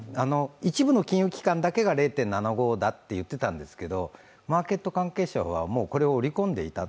一部の金融機関だけが０．７５だと言っていたんですけど、マーケット関係者はこれを織り込んでいた。